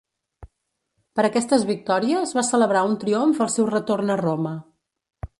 Per aquestes victòries va celebrar un triomf al seu retorn a Roma.